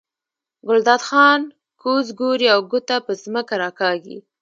ګلداد خان کوز ګوري او ګوته په ځمکه راکاږي.